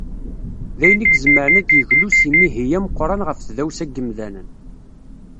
Dayen i izemren ad d-yeglu s yimihi ameqqran ɣef tdawsa n yimdanen.